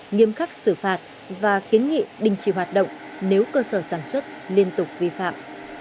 nghiêm khắc xử phạt và kiến nghị đình chỉ hoạt động nếu cơ sở sản xuất liên tục vi phạm